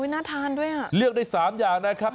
น่าทานด้วยอ่ะเลือกได้๓อย่างนะครับ